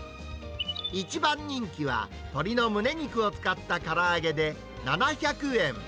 一番人気は、鶏のむね肉を使ったから揚げで、７００円。